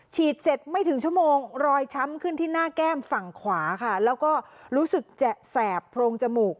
ฉีดเสร็จไม่ถึงชั่วโมงรอยช้ำขึ้นที่หน้าแก้มฝั่งขวาค่ะแล้วก็รู้สึกจะแสบโพรงจมูก